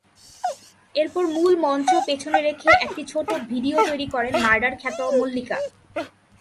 এরপর মূল মঞ্চ পেছনে রেখে একটি ছোট ভিডিও তৈরি করেন মার্ডার–খ্যাত মল্লিকা।